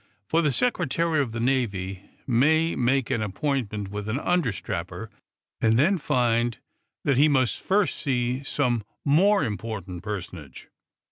For the Secretary of the Navy may make an appointment with an understrapper, and then find that he must first see some more important personage.